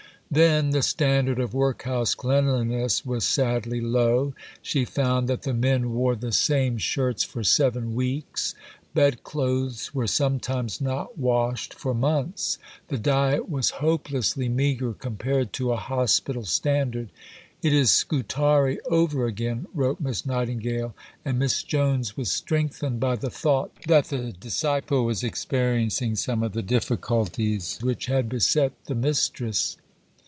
Then, the standard of workhouse cleanliness was sadly low. She found that the men wore the same shirts for seven weeks. Bed clothes were sometimes not washed for months. The diet was hopelessly meagre compared to a hospital standard. It is "Scutari over again," wrote Miss Nightingale, and Miss Jones was strengthened by the thought that the disciple was experiencing some of the difficulties which had beset the Mistress.